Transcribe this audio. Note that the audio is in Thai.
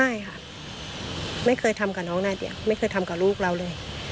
ไม่ค่ะไม่เคยทำกับน้องนาเดียไม่เคยทำกับลูกเราเลย